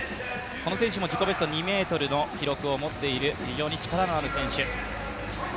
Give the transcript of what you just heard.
この選手も自己ベスト２ｍの記録を持っている、非常に力のある選手。